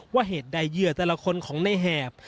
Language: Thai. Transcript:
เหตุใดเหยื่อแต่ละคนของในแหบ